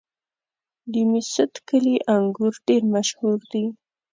د میست کلي انګور ډېر مشهور دي.